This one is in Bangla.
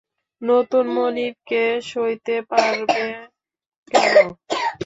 নতুন মনিবকে সইতে পারবে কেন।